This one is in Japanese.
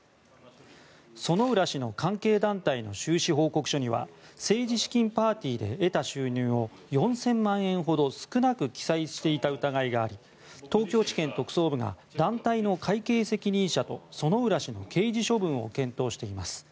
薗浦氏の関係団体の収支報告書には政治資金パーティーで得た収入を４０００万円ほど少なく記載していた疑いがあり東京地検特捜部が団体の会計責任者と薗浦氏の刑事処分を検討しています。